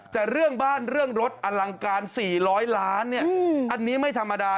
แต่เรื่องบ้านเรื่องรถอลังการ๔๐๐ล้านเนี่ยอันนี้ไม่ธรรมดา